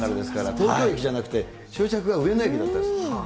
東京駅じゃなくて、終着が上野駅だったんです。